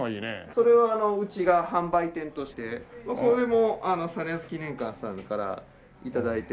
それをうちが販売店として。これも実篤記念館さんから頂いて。